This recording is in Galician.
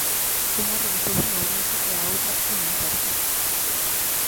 Unha realizouse en Ourense e a outra en Monforte.